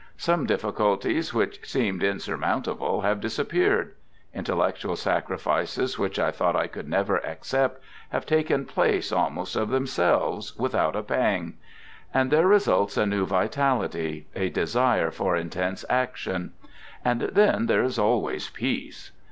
Some difficulties which seemed insur mountable have disappeared. Intellectual sacrifices which I thought I could never accept have taken place almost of themselves, without a pang. And there results a new vitality, a desire for intense ac tion. And then, there is always peace.